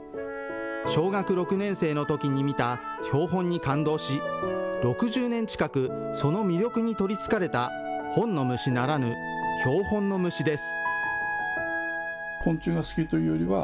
小学６年生のときに見た標本に感動し、６０年近くその魅力に取りつかれた本の虫ならぬ標本の虫です。